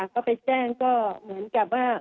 ก็ไปแจ้งก็เหมือนกับว่า